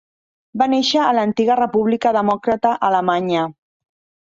Va néixer a l'antiga República Democràtica Alemanya.